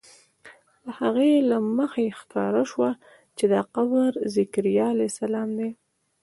له هغې له مخې ښکاره شوه چې دا قبر د ذکریا علیه السلام دی.